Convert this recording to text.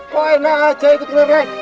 kok enak aja itu kelereng